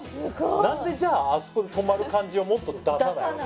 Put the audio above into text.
何でじゃああそこに泊まる感じをもっと出さないわけ？